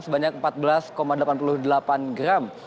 sebanyak empat belas delapan puluh delapan gram